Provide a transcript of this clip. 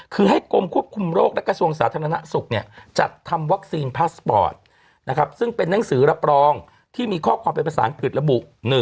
คือให้กรมควบคุมโรคและกระทรวงสาธารณสุขจัดทำวัคซีนพาสปอร์ตซึ่งเป็นนังสือรับรองที่มีข้อความเป็นภาษาอังกฤษระบุ